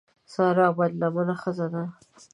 سارا بدلمنه ښځه ده.